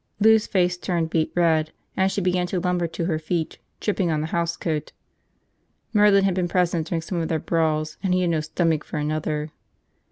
Lou's face turned beet red and she began to lumber to her feet, tripping on the housecoat. Merlin had been present during some of their brawls and he had no stomach for another.